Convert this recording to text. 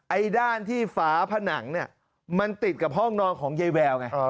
ไอ้ด้านที่ฟ้าผนังมันติดกับห้องนอนของเยยแววไง